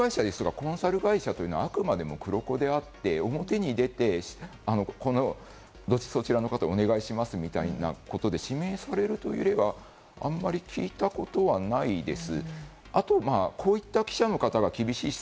ただＰＲ会社とか、コンサル会社というのはあくまでも黒子であって、表に出てそちらの方お願いしますみたいなことで指名されるという例はあんまり聞いたことがないです。